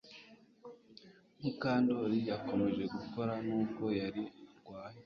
Mukandoli yakomeje gukora nubwo yari arwaye